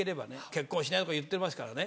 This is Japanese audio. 結婚しないとか言ってますからね。